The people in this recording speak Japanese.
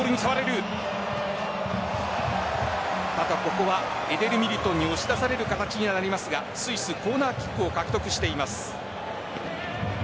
ここはエデル・ミリトンに押し出される形になりますがスイス、コーナーキックを獲得しています。